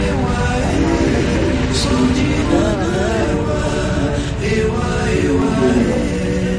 ئەمما يېنىك دەرىجىدىكى تۆمۈر كەملىكمۇ دائىم چاچ چۈشۈشنى تېزلىتىۋېتىدۇ.